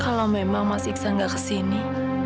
kalau memang mas iksan nggak kesini